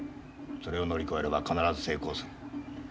それを乗り越えれば必ず成功する。